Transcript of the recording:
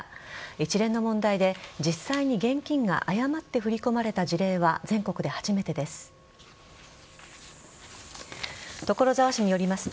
一連の問題で実際に現金が誤って振り込まれた事例は全国で初めてです。